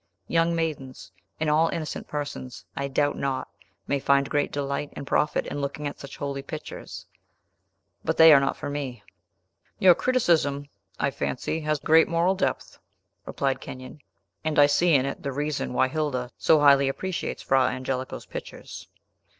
Young maidens, and all innocent persons, I doubt not, may find great delight and profit in looking at such holy pictures. But they are not for me." "Your criticism, I fancy, has great moral depth," replied Kenyon; "and I see in it the reason why Hilda so highly appreciates Fra Angelico's pictures.